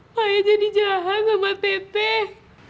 maya jadi jahat sama teteh